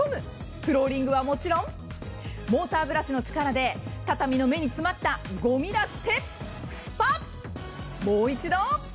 フローリングはもちろんモーターブラシの力で畳に詰まったごみだってスパッと。